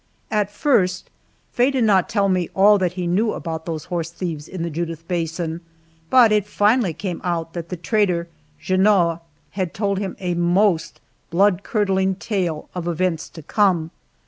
At first, Faye did not tell me all that he knew about those horse thieves in the Judith Basin, but it finally came out that the trader, Junot, had told him a most blood curdling tale of events to come.